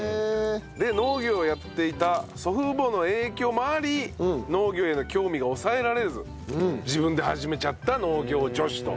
で農業をやっていた祖父母の影響もあり農業への興味が抑えられず自分で始めちゃった農業女子と。